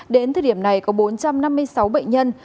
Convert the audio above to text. đến thời điểm này có bốn trăm năm mươi sáu bệnh nhân